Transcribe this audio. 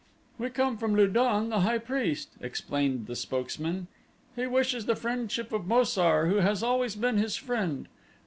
"We come from Lu don, the high priest," explained the spokesman. "He wishes the friendship of Mo sar, who has always been his friend.